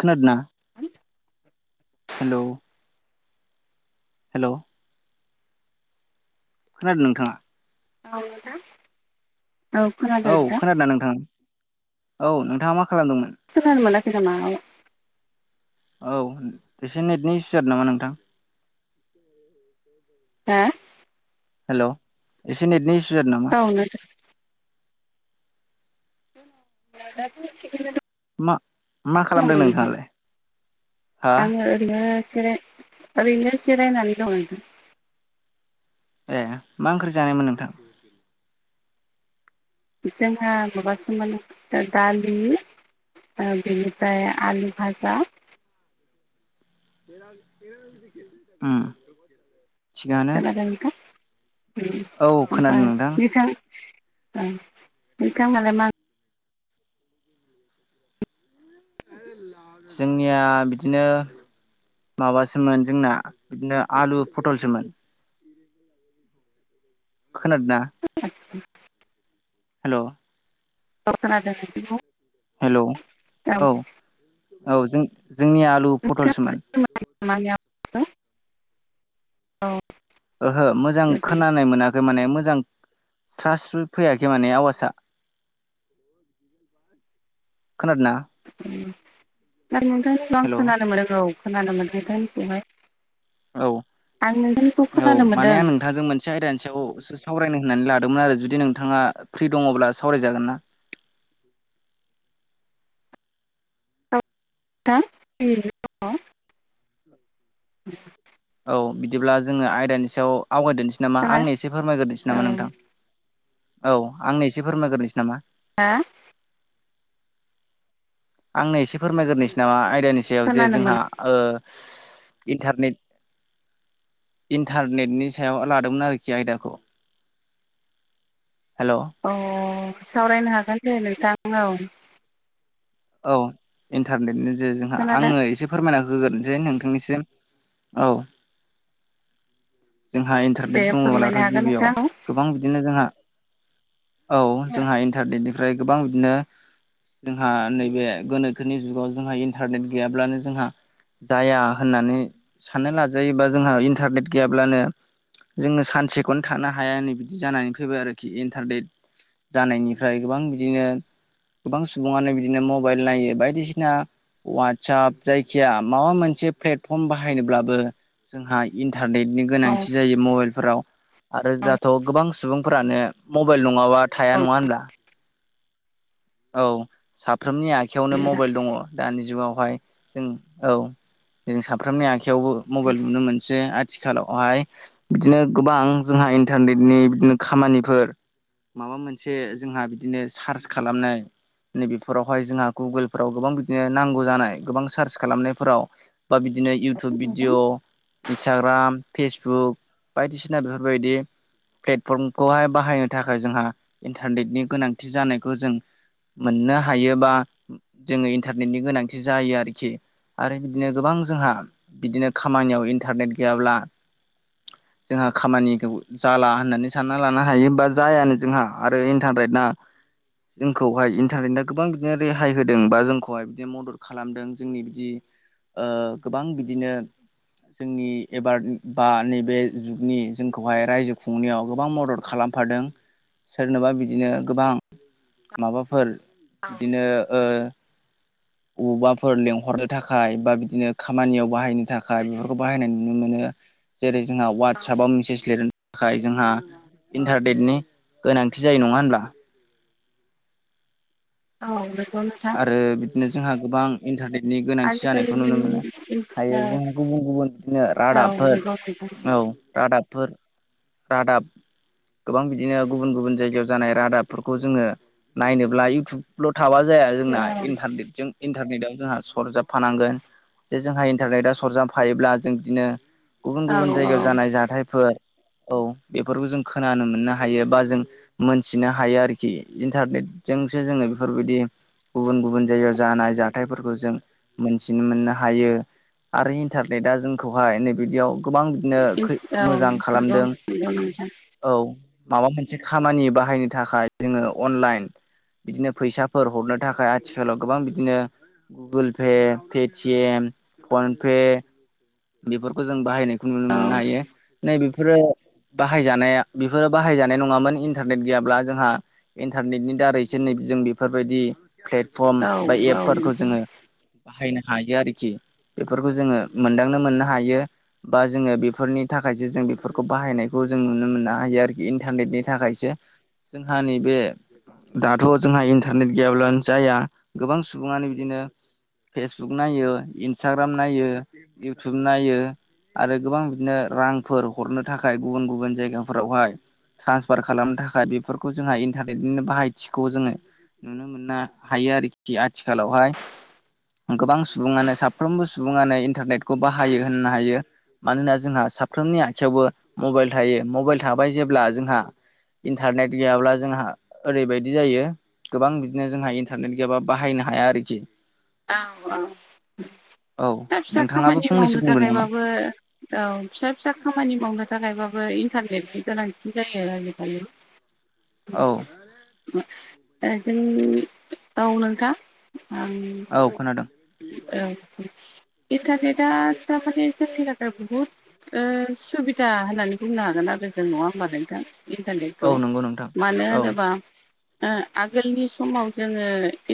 खोनादोना? उ hello hello खोनादों नोंथाङा? मानोना? औ खोनादोंना नोंथां? औ नोंथाङा मा खालामदोंमोन? खोनानो मोनाखै नामा औ। औ एसे नेटनि इसु जालो नामा नोंथां। [inaudible] हा। हेल' इसे नेटनि इसु आरो नामा? [unintelligible] [unintelligible] मा मा खालामदों दंमोन नोंथां नोंथाङालाय हा? बिदिनो जिराय ओरोयनो जिरायनानै दङो। ए मा ओंख्रि जानायमोन नोंथां? जोंहा माबा सोमोन दालि। ओ बिनिफ्राय आलु भाजा। उम। थिगानो खोनादों नोंथां औ खोनादों ओमफ्राय नोंथां बिथां औ [unintelligible] मा जोंनिया बिदिनो माबासोमोन जोंना इदिनो आलु फटलसोमोन। खोनादोना? हेलौ। औ खोनादो नोंसोरखौ। हेलौ औ औ जों जोंनिया आलु फटलसोमोन। [unintelligible] ओहो मोजां नोंथां खोनानाय मोनाखै माने मोजां थ्रास्रु फैयाखै माने आवाजआ। खोनादोना? दा नोंथांखौ आं हेल' खोनानो मोनो औ खोनानोमोनो नोंथांखौहाय औ औ खोनानो माने मोनदों आं नोंथांजों मोनसे एसे आयदानिसेयावसो सावरायनो होननानै लादोंमोन आरो जुदि नोंथाङा फ्रि दङब्ला सावरायजागोन ना? औ [unintelligible] औ बिदिब्ला जोङो आयदानि सायाव आवगायदोनोसै नामा औ आंनो एसे फोरमायग्रोनोसै नामा नोंथां? औ आंनो एसे फोरमायग्रोनोसै नामा? हा आंनो एसे फोरमायग्रोसै नामा? आयदानि सायाव जे खोनानो मोन जोंहाओ इन्टारनेट इन्थारनेटनि सायाव लादोंमोन आरोखि आयदाखौ। हेल'औ अ सावरायनो हागोन दे नोंथां औ। औ इन्थारनेटनि जो-जोंहा खोनादों आङो एसे फोरमायना होगोन जे नोंथांनिसिम औ जोंहा दे इन्थारनेट दङबोलाथ' फोरमायनो हागोन गिबियाव नोंथां औ गोबां बिदिनो जोंहा औ जोंहा इन्टारनेेटजों ओमफ्राय गोबां बिदिनो जोंहा नै बे गोनोखोनि जुगाव जोंहा इन्टारनेट गैयाब्लानो जोंहा जाया होननानै साननो लाजायोबा जोंहा इनथारनेट गैयाब्लानो जोङो सानसेखौनो थानो हाया नै बिदि जानानै फैबाय आरोखि इनथारनेट जानायनिफ्राय गोबां बिदिनो गोबां सुबुङानो बिदिनो म बाइल नायो बायदिसिना वाट्साप जायखिया माबा मोनसे प्लेटफर्म बाहायनोब्लाबो जोंहा इन्टारनेटनि गोनांथि जायो मबाइलफोराव आरो औ दाथ' गोबां सुबुंफोरानो मबाइल नङाबा थाया नङा होनब्ला औ साफ्रोमनि आखायावनो नोंथां मबाइल दङ' दानि जुगावहाय जों औ जों साफ्रोमनि आखायावबो मबाइल नुनो मोनसै आ थिखालावहाय बिदिनो गोबां जोंहा इन्टारनेटनि बिदिनो खामानिफोर माबा मोनसे जोंहा बिदिनो सार्च खालामनाय नैबेफोरावहाय जोंहा गुगोलफोराव गोबां बिदिनो नांगौ जानाय गोबां सार्च खालामनायफोराव बा बिदिनो इउथुब मोजां औ भिडिअ' इन्सटाग्राम, फेसबुक बायदिसिना बेफोरबायदि प्लेटफर्मखौहाय बाहायनो थाखाय जोंहा इन्टारनेटनि गोनांथि जानायखौ जों मोननो हायोबा जोङो इन्टारनेटनि गोनांथि जायो आरोखि आरो बिदिनो गोबां जोंहा बिदिनो खामानियाव इनथारनेट गैयाब्ला जोंहा खामानिखौ जाला होननानै सानना लानो हायो बा जायानो जोंहा आरो इनथारनेट नाङा खौहाय इनथारनेटआ गोबां बिदिनो रेहाय होदों बा जोंखौहाय बिदिनो मदद खालामदों जोंनि बिदि ओ गोबां बिदिनो जोंनि एबार बा नैबे जुगनि जोंखौहाय रायजो खुंनायाव गोबां मदद खालाम फादों सोरनोबा बिदिनो गोबां माबाफोर बिदिनो ओ अबावबाफोर लेंहरनो थाखाय बा बिदिनो खामानियाव बाहायनो थाखाय बेफोरखौ बाहायनाय नुनो मोनो जेरै जोंहा वाटसाबाव मेसेज लिर थाखाय जोंहा इनथारनेटनि गोनांथि जायो नङा होनब्ला नंगौ नोंथां आरो बिदिनो जोंहा गोबां इनथारनेटनि गोनांथि आजिखालि जानायखौ नुनो जोंनि मोनो औ हायो जों गुबुन गुबुन बिदिनो रादाबफोर नंगौ नोंथां औ रादाबफोर रादाब गोबां बिदिनो गुबुन गुबुन जायगायाव जानाय रादाबफोरखौ जोङो नायनोब्ला इउथुबल' थाबा जाया जोंना इनथारनेटजों इनथारनेटाव जोंहा सरजाब फानांगोन जे जोंहा इनथारनेटआव सरजाबफायोब्ला जों बिदिनो गुबुन औ गुबुन जायगायाव औ जानाय जाथायफोर औ बेफोरखौ जों खोनानो मोननो हायो बा जों मोनथिनो हायो आरोखि इनथारनेटजोंसो जोङो बेफोरबायदि गुबुन गुबुन जायगायाव जानाय जाथायफोरखौ जों मोनथिनो मोननो हायो आरो इनथारनेटआ जोंखौहाय नै बिदियाव गोबां बिदिनो खै मोजां नंगौ खालामदों नंगौ नोंथां औ माबा मोनसे खामानि बाहायनो थाखाय जोङो अनलाइन बिदिनो फैसाफोर हरनो थाखाय आथिखालाव गोबां बिदिनो गुगोल फे फेथिएम फनफे बेफोरखौ जों बाहायनाय खौ नुनो औ मोननो हायो नै बे बेफोरो बाहायजानाया बेफोरो बाहायजानाय नङामोन इनथारनेट गैयाब्ला जोंहा इनथारनेटनि दारैसो नै जों बेफोरबायदि फ्लेट फर्म औ बा औ एपफोरखौ नोंथां जोङो बाहायनो हायो आरोखि बेफोरखौ जोङो मोनदांनो मोननो हायो बा जोङो बेफोरनि थाखायसो जों बेफोरखौ बाहायनायखौ जों नुनो मोननो हायो आरोखि इनथारनेटनि थाखायसो जोंहा नैबे दाथ' जोंहा इनथारनेट गैयाब्लानो जाया गोबां सुबुङानो बिदिनो फेसबुक नायो, इन्सथाग्राम नायो, इउथुब नायो आरो गोबां बिदिनो रांफोर हरनो थाखाय गुबुन गुबुन जायगाफोरावहाय ट्रान्सफार खालामनो थाखाय बेफोरखौ जोंहा इन्टारनेटनिनो बाहायथिखौ जोङो नुनो मोना हायो आरोखि आथिखालावहाय गोबां सुबुङानो साफ्रोमबो सुबुङानो इन्टारनेटखौ बाहायो होननो हायो मानोना जोंहा साफ्रोमनि आखयावबो मबाइल थायो मबाइल थाबाय जेब्ला जोंहा इन्टारनेट गैयाब्ला जोंहा ओरैबायदि जायो गोबां बिदिनो जोंहा इन्टारनेट गैयाबा बाहायनो हाया आरोखि औ औ औ फिसा नोंथाङाबो खामानि फंनैसो मावनो बुंदों नामा थाखायबाबो औ फिसा फिसा खामानि मावनो थाखायबाबो इन्टारनेटनि गोनांथि जायो आजिखालि [inaudible] जोंनि औ नोंथां आं [unintelligible] औ खोनादों औ औ इन्टारनेटआ थार माने जोंनि गामियाव बहुद ओ सुबिदा होननानै बुंनो हागोन आरो जों नङा होमबा नोंथां इन्टारनेटखौ औ नंगौ नोंथां मानो औ होनोबा ओ आगोलनि समाव जोङो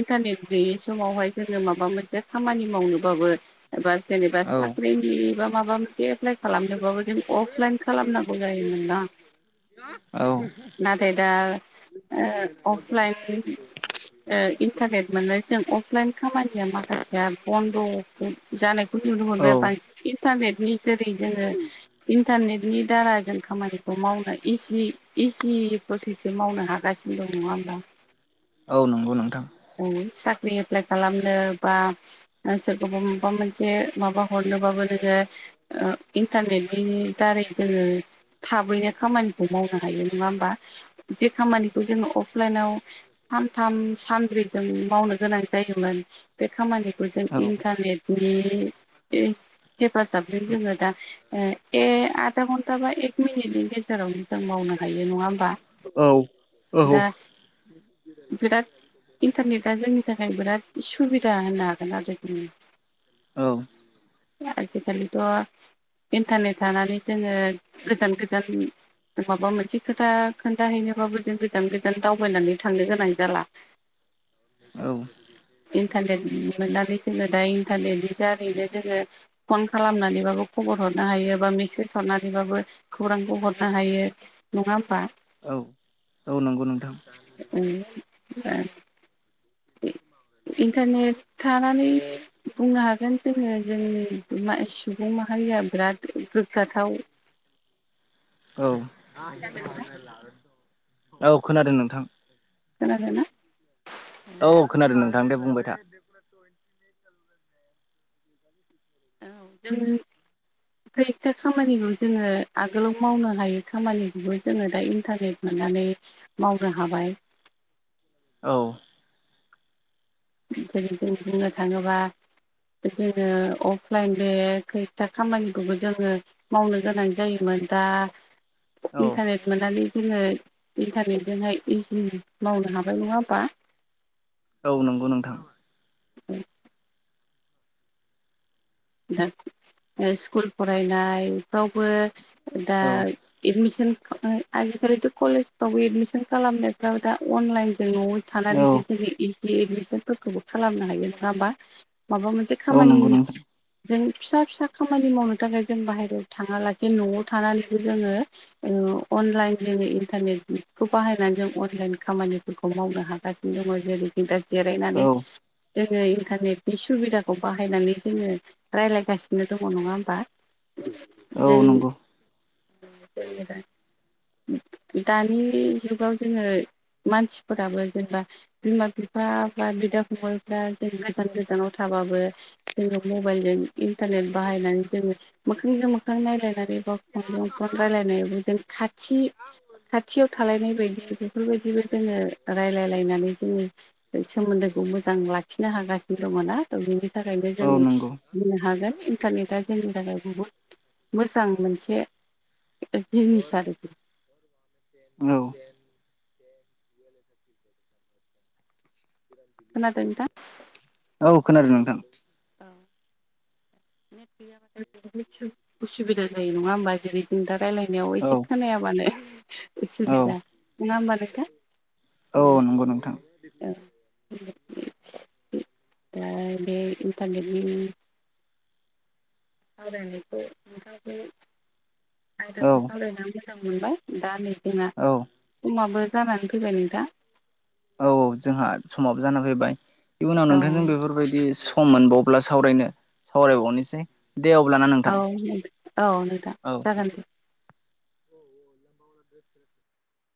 इन्टारनेट गैयै समावहाय जोङो माबा मोनसे खामानि मावनोबाबो एबा जेनेबा औ साख्रिनि बा माबा मोनसे एप्लाइ खालामनोबाबो जों अफलाइन खालामनांगौ जायोमोन दां औ नाथाय दा ओ अफलाइन ओ इन्टारनेेट मोननाय जों अफलाइन खामानिया माखासे बन्द' जानायखौ नुनो मोनबाय औ बांसिन इन्टारनेटनि जेरै जोङो इन्टारनेटनि दारा जों खामानिखौ मावनो इजि इजि प्रसेसै मावनो हागासिनो दं नङा होमब्ला औ नंगौ नोंथां औ साख्रि एप्लाइ खालामनो बा सोरखौबा माबा मोनसे माबा हरनोबाबो नोङो इन्टारनेटनि दारै जोङो थाबैनो खामानि खौ मावनो हायो नङा होमबा जे खामानिखौ जोङो अफलाइनाव सानथाम सानब्रैजों मावनो गोनां जायोमोन बे खामानि कौ जों औ इन्टारनेटनि हे हेफाजाबजों जोङो दा एसे आधा घन्टा बा एक मिनिटनि गेजेरावनो जों मावनो हायो नङा होमबा औ औ दा बिराद इन्टारनेटआ जोंनि थाखाय बिराद सुबिदा होनो दा बिदिनो औ आजिखालिथ' इन्टारनेट थानानै जोङो गोजान गोजान माबा मोनसे खोथा खोन्थाहैनोबाबो जों गोजान गोजान दावबायनानै थांनो गोनां जाला औ इन्टारनेट मोननानै जोङो दा इन्टारनेटनि दारैनो जोङो फन खालामनानैबाबो खबर हरनो हायो बा मेसेज हरनानैबाबो खौरांखौ हरनो हायो नङा होमबा औ औ नंगौ नोंथां [unintelligible] इन्टारनेट थांनानै बुंनो हागोन जोङो जोंनि सुबुं माहारिया बिराद गोग्गाथाव खोनादों नोंथां औ औ खोनादों नोंथां खोनादोंना औ खोनादों नोंथां दे बुंबाय था [unintelligible] ब [inaudible] औ जोङो [unintelligible] खामानिखौ जोङो आगोलाव मावनो हायो खामानिखौबो जोङो दा इन्टारनेट मोननानै मावनो हाबाय। औ। [unintelligible] जों बुंनो थाङोबा जोङो अफलाइन बे खैथा खामानिखौबो जोङो मावनो गोनां जायोमोन दा औ इन्टारनेट मोननानै जोङो इन्टारनेटजोंहाय इजि मावनो हाबाय नङा होमबा। औ नंगौ नोंथां। उम। दा ओ स्कुल फरायनायफ्रावबो दा‌ औ एदमिसन आजिखालिथ' कलेजफ्रावबो एदमिसन खालामनायफ्राबो दा अनलाइनजों न'आव औ थानानै जोङो इजि एडमिसनफोरखौबो खालामनो हायो नङा होमबा माबा मोनसे औ खामानि नंगौ नोंथां जों फिसा- फिसा खामानि मावनो थाखाय जों बाहेरायाव थाङालासे न'आव थानानैबो जोङो ओ अनलाइन जों इन्टारनेटखौ बाहायनानै जों अनलाइन खामानि फोरखौ मावनो हागासिनो दङ' जेरै नै दा औ जिरायनानै जोङो इन्टारनेटनि सुबिदाखौ बाहायनानै जोङो रायलायगासिनो दङ' नङा होमबा औ जों नंगौ [unintelligible] [inaudible] दानि जुगाव जोङो मानसिफोराबो जेनेबा बिमा-बिफा बा बिदा-फंबायफ्रा जों गोजान गोजानाव थाबाबो जोङो मबाइलजों इन्टारनेट बाहायनानै जोङो मोखांजों मोखां नायलायनानै बा फनजों फन रायलायनायावबो जों खाथि थि खाथियाव थालायनाय बायदि बेफोर बायदिबो जोङो रायलायलायनानै जोंनि सोमोन्दोखौ मोजां लाखिनो हागासिनो दङ' ना। ओ बिनि थाखायनो जों औ नंगौ बुंनो हागोन इन्टारनेटआ जोंनि थाखाय बहुद मोजां मोनसे जिनिस आरोखि। औ। [inaudible] [inaudible] खोनादों नोंथां? औ खोनादों नोंथां। औ नेट गैयाबाथाय इसु-उसुबिदा जायो नङा होमबा जेरै जों दा रायलायनायाव औ एसे खोनायाबानो औ उसुबिदा नङा होमबा नोंथा। औ नंगौ नोंथां। दा बे इनटारेटनि सावरायनायखौ नोंथांखौ औ आयदाखौ सावरायना मोजां मोनबाय दा नै जोंना औ। समाबो जानानै फैबाय नोंथां। औ औ जोंहा समाव जाना फैबाय इयुनाव औ नोंथांजों बेफोर बायदि सम मोनबावब्ला सावरायनो सावरायबावनोसै। दे अब्ला ना नों औ [unintelligible] औ नोंथां जागोन दे।